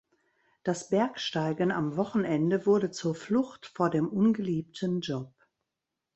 Das Bergsteigen am Wochenende wurde zur Flucht vor dem ungeliebten Job.